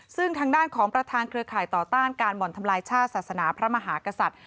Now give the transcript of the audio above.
ซึ่งทางด้านของประธานเครือข่ายต่อต้านการบ่อนทำลายชาติศาสนาพระมหากษัตริย์